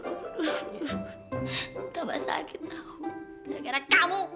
gak gara kamu